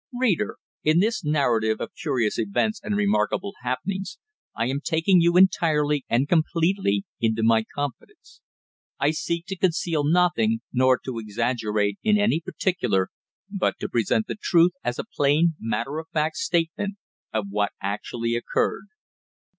Reader, in this narrative of curious events and remarkable happenings, I am taking you entirely and completely into my confidence. I seek to conceal nothing, nor to exaggerate in any particular, but to present the truth as a plain matter of fact statement of what actually occurred.